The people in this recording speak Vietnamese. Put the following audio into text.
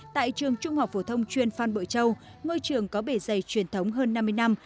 tại trường trung học phổ thông chuyên phan bội châu ngôi trường có bề dày truyền thống hơn năm mươi năm